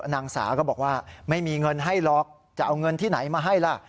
นางสาก็บอกว่าไม่มีเงินให้หรอกจะเอาเงินที่ไหนมาให้ล่ะ